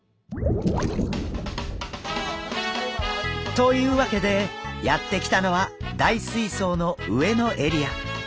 というわけでやって来たのは大水槽の上のエリア。